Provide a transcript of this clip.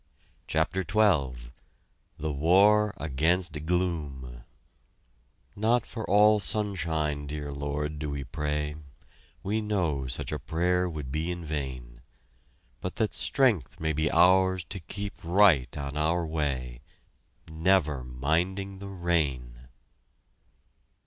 CHAPTER XII THE WAR AGAINST GLOOM Not for all sunshine, dear Lord, do we pray We know such a prayer would be vain; But that strength may be ours to keep right on our way, Never minding the rain!